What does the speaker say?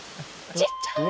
ちっちゃ！